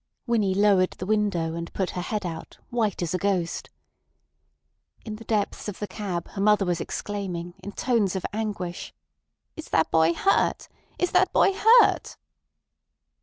Winnie lowered the window, and put her head out, white as a ghost. In the depths of the cab, her mother was exclaiming, in tones of anguish: "Is that boy hurt? Is that boy hurt?"